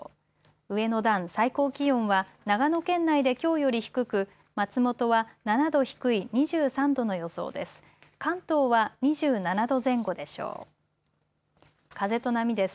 上の段、最高気温は長野県内できょうより低く松本は７度低い２３度の予想です。